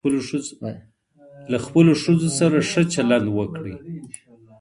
له خپلو ښځو سره ښه چلند وکړئ.